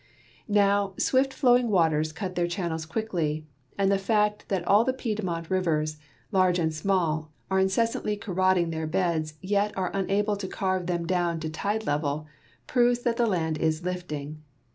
Now, swift flowing waters cut their chan nels quickly, and the fact that all the Piedmont rivers, large and small, are incessantly corrading their beds yet are unable to carve them down to tide level, proves that the land is lifting.